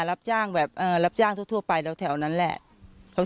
รับจ้างแบบรับจ้างทั่วไปแล้วแถวนั้นแหละ